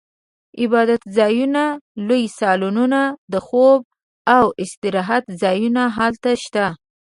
عبادتځایونه، لوی سالونونه، د خوب او استراحت ځایونه هلته شته.